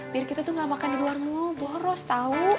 biar kita tuh gak makan di luar mulu boros tau